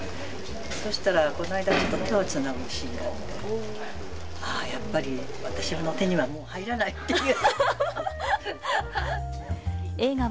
そしたら、この間、手をつなぐシーンがあって、ああ、やっぱり私の手には、もう入らないっていう。